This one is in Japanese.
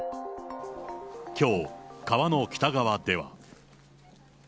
きょう、川の北側では。